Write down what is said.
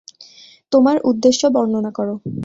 তোমার উদ্দেশ্য বর্ণনা করো।